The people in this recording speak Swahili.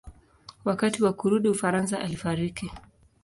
Wakati wa kurudi Ufaransa alifariki.